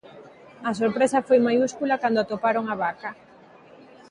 A sorpresa foi maiúscula cando atoparon a vaca.